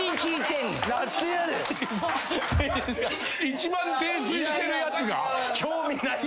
一番泥酔してるやつが？